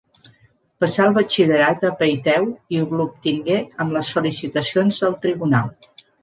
Passà el batxillerat a Peiteu i l'obtingué amb les felicitacions del tribunal.